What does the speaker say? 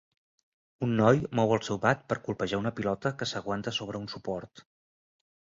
Un noi mou el seu bat per colpejar una pilota que s'aguanta sobre un suport.